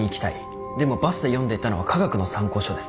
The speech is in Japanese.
でもバスで読んでいたのは化学の参考書です。